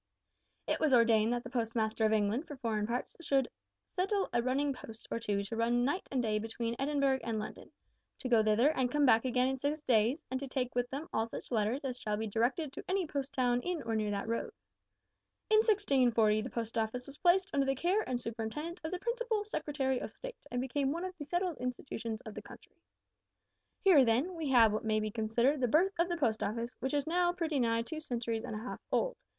It was ordained that the Postmaster of England for foreign parts `should settle a running post or two to run night and day between Edinburgh and London, to go thither and come back again in six days, and to take with them all such letters as shall be directed to any post town in or near that road.' "In 1640 the Post Office was placed under the care and superintendence of the Principal Secretary of State, and became one of the settled institutions of the country. "Here, then, we have what may be considered the birth of the Post Office, which is now pretty nigh two centuries and a half old.